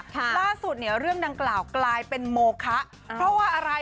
ล่าสุดเนี่ยเรื่องดังกล่าวกลายเป็นโมคะเพราะว่าอะไร